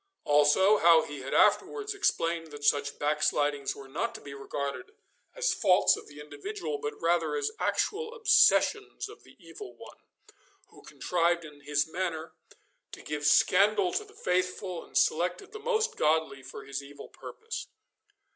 Also, how he had afterwards explained that such backslidings were not to be regarded us faults of the individual, but rather as actual obsessions of the evil one, who contrived in this manner to give scandal to the faithful, and selected the most godly for his evil purpose.